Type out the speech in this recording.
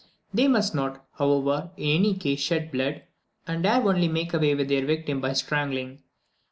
They must not, however, in any case shed blood, and dare only make away with their victim by strangling.